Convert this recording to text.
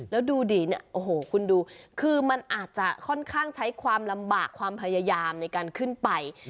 แล้วดูดิเนี่ยโอ้โหคุณดูคือมันอาจจะค่อนข้างใช้ความลำบากความพยายามในการขึ้นไป